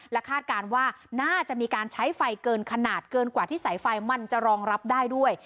คาดการณ์ว่าน่าจะมีการใช้ไฟเกินขนาดเกินกว่าที่สายไฟมันจะรองรับได้ด้วย